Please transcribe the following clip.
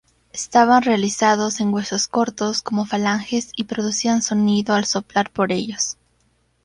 Estaban realizados en huesos cortos, como falanges, y producían sonido al soplar por ellos.